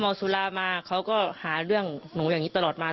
สุรามาเขาก็หาเรื่องหนูอย่างนี้ตลอดมา